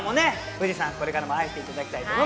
富士山これからも愛していただきたいと思います